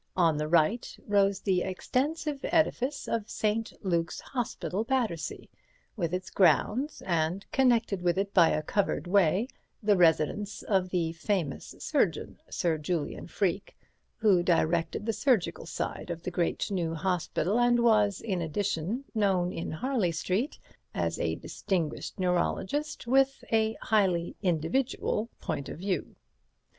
On the right rose the extensive edifice of St. Luke's Hospital, Battersea, with its grounds, and, connected with it by a covered way, the residence of the famous surgeon, Sir Julian Freke, who directed the surgical side of the great new hospital, and was, in addition, known in Harley Street as a distinguished neurologist with a highly individual point of view.